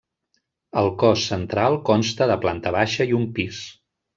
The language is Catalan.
El cos central consta de planta baixa i un pis.